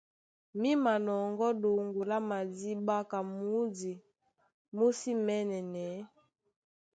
Mí manɔŋgɔ́ ɗoŋgo lá madíɓá ka mǔdi mú sí mɛɛ̄nɛnɛɛ́.